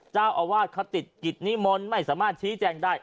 เจ้าอาวาสเขาติดกิจนิมนต์ไม่สามารถชี้แจงได้